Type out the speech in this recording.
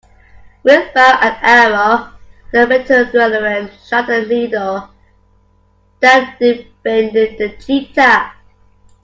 With bow and arrow the veterinarian shot a needle that deafened the cheetah.